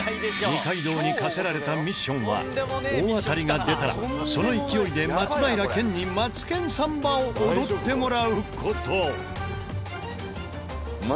二階堂に課せられたミッションは大当たりが出たらその勢いで松平健に『マツケンサンバ』を踊ってもらう事。